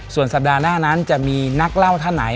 ส่วนสัปดาห์หน้านั้นจะมีนักเล่าท่านไหน